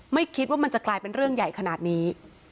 ไม่คิดว่ามันจะกลายเป็นเรื่องใหญ่ขนาดนี้